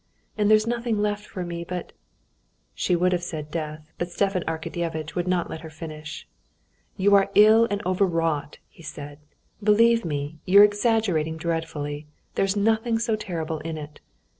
And there's nothing left for me but...." She would have said death, but Stepan Arkadyevitch would not let her finish. "You are ill and overwrought," he said; "believe me, you're exaggerating dreadfully. There's nothing so terrible in it."